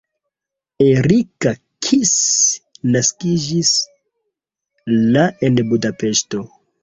Erika Kiss naskiĝis la en Budapeŝto.